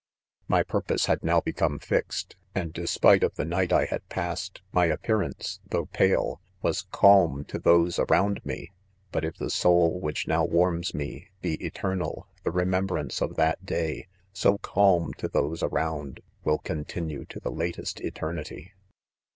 ■'■ 6 My purpose had now become fixed 5 and de spite of the night I had passed , my appearance,, though pale, was calm to those around me / but if the soul which now warms me be eternal, the remembrance of that day, so calm to those around^ will continue to the latest eternity.